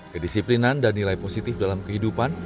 kedisiplinan dan nilai positif dalam kehidupan